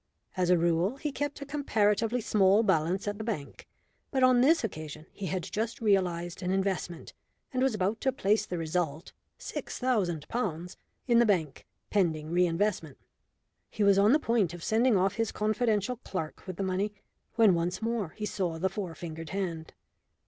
As a rule he kept a comparatively small balance at the bank, but on this occasion he had just realised an investment, and was about to place the result six thousand pounds in the bank, pending re investment. He was on the point of sending off his confidential clerk with the money, when once more he saw the four fingered hand.